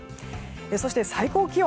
そして、最高気温。